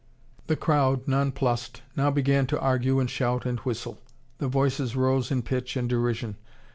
The crowd, nonplussed, now began to argue and shout and whistle. The voices rose in pitch and derision.